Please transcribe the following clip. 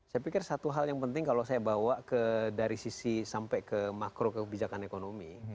saya pikir satu hal yang penting kalau saya bawa dari sisi sampai ke makro kebijakan ekonomi